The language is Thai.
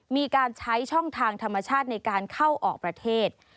มีการใช้ช่องทางธรรมชาติในการเข้าออกประเทศ